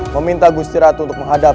meminta gusti ratu untuk menghadap